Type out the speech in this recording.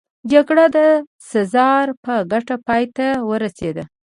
جګړه د سزار په ګټه پای ته ورسېده.